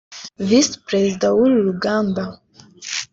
Visi Perezida w’uru ruganda